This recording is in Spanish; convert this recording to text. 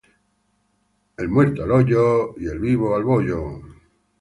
El muerto al hoyo y le vivo al bollo.